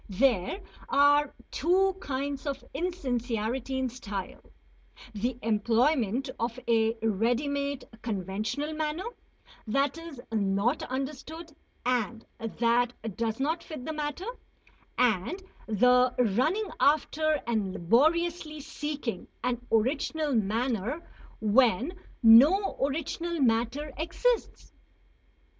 There are two kinds of insincerity in style, the employment of a ready made conventional manner that is not understood and that does not fit the matter; and the running after and laboriously seeking an original manner when no original matter exists.